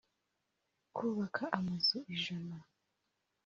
kubaka amazu ijana